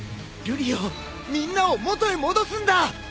瑠璃をみんなを元へ戻すんだ！